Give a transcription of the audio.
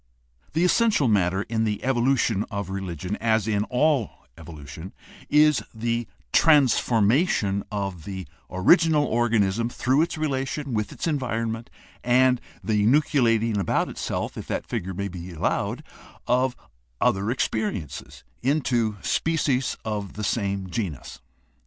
The essential matter in the evolution of religion, as in all evolution, is the transformation of the original organism through its relation with its environment and the nucleating about itself — if the figure may be allowed — of other experiences into species of the same genus.